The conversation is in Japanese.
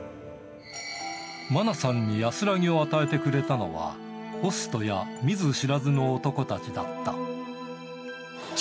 マナさんに安らぎを与えてくれたのは、ホストや見ず知らずの男たちだった。